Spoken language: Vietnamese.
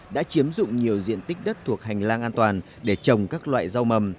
đã chiếm dụng nhiều diện tích đất thuộc hành lang an toàn để trồng các loại rau mầm